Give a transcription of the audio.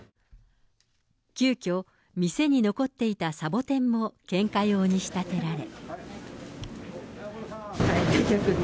急きょ、店に残っていたサボテンも献花用に仕立てられ。